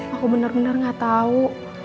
aku bener bener gak tau